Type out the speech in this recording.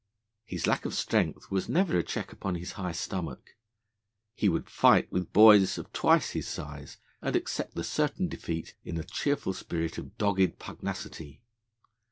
His lack of strength was never a check upon his high stomach; he would fight with boys of twice his size, and accept the certain defeat in a cheerful spirit of dogged pugnacity.